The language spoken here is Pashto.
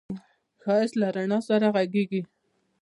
ښایست له رڼا سره غږېږي